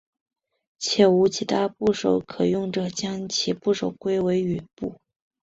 且无其他部首可用者将部首归为羽部。